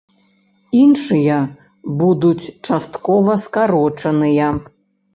Іншыя будуць часткова скарочаныя.